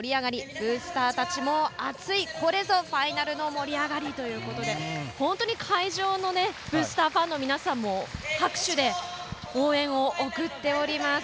ブースターたちも熱いこれぞファイナルの盛り上がりということで本当に会場のブースターファンの皆さんも拍手で応援を送っております。